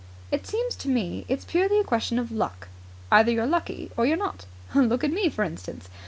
"It seems to me it's purely a question of luck. Either you're lucky or you're not. Look at me, for instance.